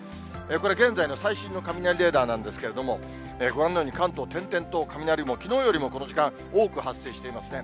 これ、現在の最新の雷レーダーなんですが、ご覧のように、関東、点々と雷雲、きのうよりもこの時間、多く発生していますね。